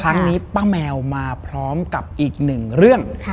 ครั้งนี้ป้าแมวมาพร้อมกับอีกหนึ่งเรื่อง